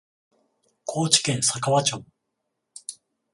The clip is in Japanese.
高知県佐川町